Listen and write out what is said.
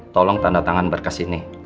tolong tanda tangan berkas ini